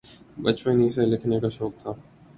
بچپن ہی سے لکھنے کا شوق تھا۔